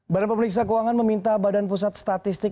badan pemeriksa keuangan meminta badan pusat statistik